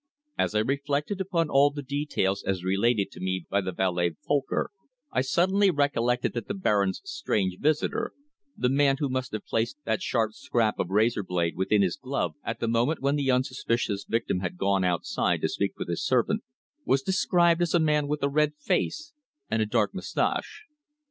As I reflected upon all the details as related to me by the valet, Folcker, I suddenly recollected that the Baron's strange visitor, the man who must have placed that sharp scrap of razor blade within his glove at the moment when the unsuspicious victim had gone outside to speak with his servant, was described as a man with a red face and a dark moustache.